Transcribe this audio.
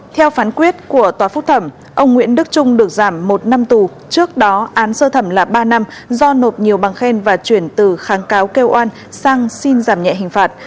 theo phán quyết của tòa phúc thẩm ông nguyễn đức trung được giảm một năm tù trước đó án sơ thẩm là ba năm do nộp nhiều bằng khen và chuyển từ kháng cáo kêu oan sang xin giảm nhẹ hình phạt